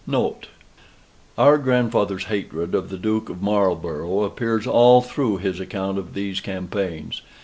Our Grandfather's hatred of the Duke of Marlborough appears all through his account of these campaigns.